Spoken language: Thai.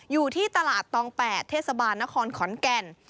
อยู่ที่ตลาดตอง๘เทศบาลนครขอนแก่น